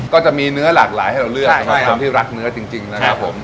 ก็จะมีเนื้อหลากหลายให้เราเลือกสำหรับคนที่รักเนื้อจริงนะครับผม